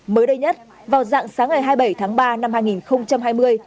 mới đây nhất vào dạng sáng ngày hai mươi bảy tháng ba năm hai nghìn hai mươi